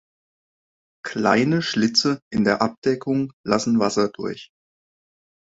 Kleine Schlitze in der Abdeckung lassen Wasser durch.